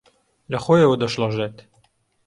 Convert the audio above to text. لەخۆیەوە دەشڵەژێت